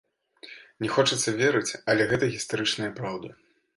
Не хочацца верыць, але гэта гістарычная праўда.